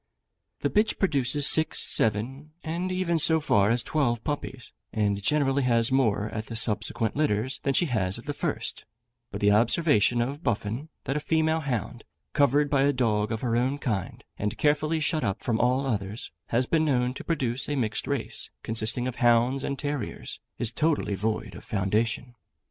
The bitch produces six, seven, and even so far as twelve puppies, and generally has more at the subsequent litters than she has at the first; but the observation of Buffon, that a female hound, covered by a dog of her own kind, and carefully shut up from all others, has been known to produce a mixed race, consisting of hounds and terriers, is totally void of foundation.